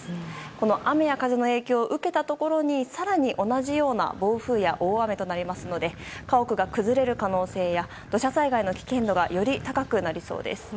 この雨や風の影響を受けたところに更に同じような暴風や大雨となりますので家屋が崩れる可能性や土砂災害の危険度がより高くなりそうです。